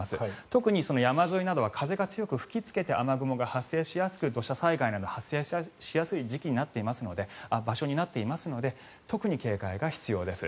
特に山沿いなどは風が強く吹きつけて雨雲が発生しやすく土砂災害が発生しやすい場所になっていますので特に警戒が必要です。